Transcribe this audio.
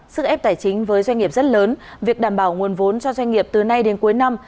sức ép tài chính với doanh nghiệp rất lớn việc đảm bảo nguồn vốn cho doanh nghiệp từ nay đến cuối năm